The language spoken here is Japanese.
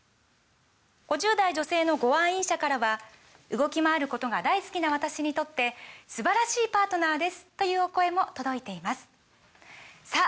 ５０代女性のご愛飲者からは「動きまわることが大好きな私にとって素晴らしいパートナーです！」というお声も届いていますさあ